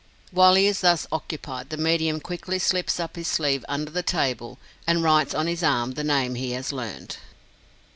While he is thus occupied, the medium quickly slips up his sleeve under the table, and writes on his arm the name he has learned.